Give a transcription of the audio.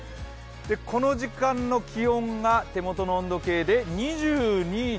この時間の気温が手元の温度計で２２．９度。